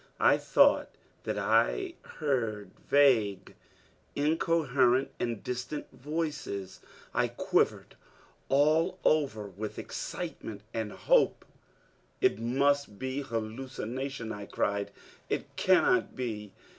I thought that I heard vague, incoherent and distant voices. I quivered all over with excitement and hope! "It must be hallucination," I cried. "It cannot be!